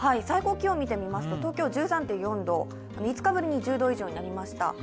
最高気温を見てみますと東京１３．４度５日ぶりに１０度以上になりました。